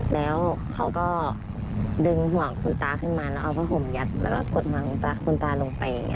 แล้วก็กดหวังตาคุณตาลงไปอย่างนี้